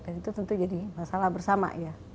itu tentu jadi masalah bersama ya